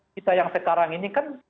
kita yang sekarang ini kan